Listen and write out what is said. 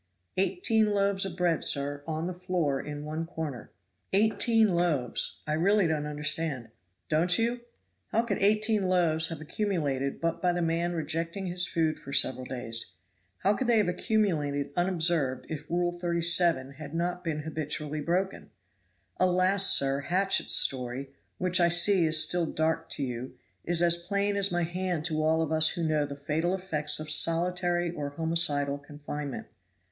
"Eighteen loaves of bread, sir, on the floor in one corner." "Eighteen loaves; I really don't understand." "Don't you? how could eighteen loaves have accumulated but by the man rejecting his food for several days? How could they have accumulated unobserved if Rule 37 had not been habitually broken? Alas! sir, Hatchett's story, which I see is still dark to you, is as plain as my hand to all of us who know the fatal effects of solitary or homicidal confinement.